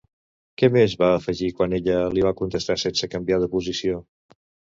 Què més va afegir quan ella li va contestar sense canviar de posició?